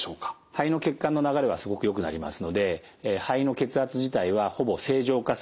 肺の血管の流れはすごくよくなりますので肺の血圧自体はほぼ正常化する方も増えてきています。